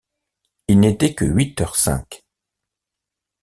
Il n’était que huit heures cinq.